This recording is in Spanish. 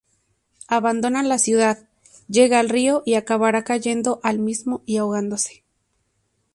Abandona la ciudad, llega al río y acabará cayendo al mismo y ahogándose.